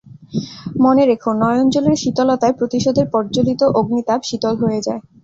মনে রেখ, নয়ন জলের শীতলতায় প্রতিশোধের প্রজ্জ্বলিত অগ্নিতাপ শীতল হয়ে যায়।